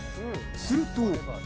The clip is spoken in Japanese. すると。